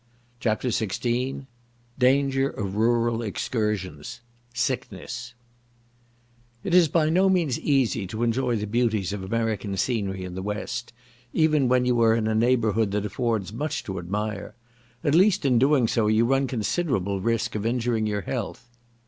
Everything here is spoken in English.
CHAPTER XVI Danger of rural excursions—Sickness It is by no means easy to enjoy the beauties of American scenery in the west, even when you are in a neighbourhood that affords much to admire; at least, in doing so, you run considerable risk of injuring your health.